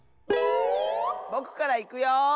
ぼくからいくよ。